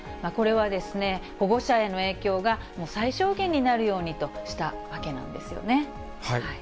これは、保護者への影響が最小限になるようにとしたわけなんですよね。